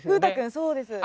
そうです。